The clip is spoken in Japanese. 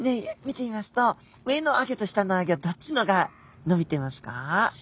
見てみますと上のあギョと下のあギョどっちのがのびてますか？